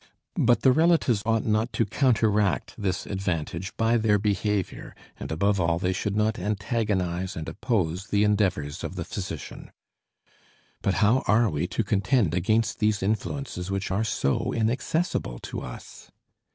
But the relatives ought not to counteract this advantage by their behavior, and above all, they should not antagonize and oppose the endeavors of the physician. But how are we to contend against these influences which are so inaccessible to us!